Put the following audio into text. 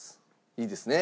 いいですね？